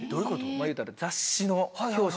まぁ言うたら雑誌の表紙。